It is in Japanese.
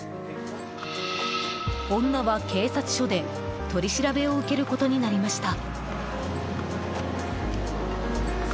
女は警察署で、取り調べを受けることになりました。